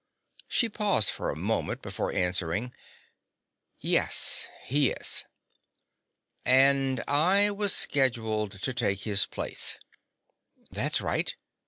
She paused for a moment before answering. "Yes, he is." "And I was scheduled to take his place." "That's right."